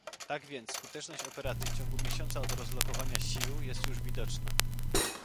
Tak więc skuteczność operacji w ciągu miesiąca od rozlokowania sił jest już widoczna